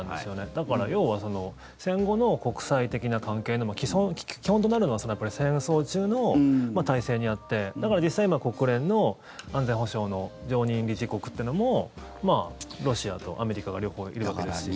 だから、要は戦後の国際的な関係の基本となるのは戦争中の体制にあって実際に今国連の安全保障理事会の常任理事国というのもロシアとアメリカが両方いるわけですし。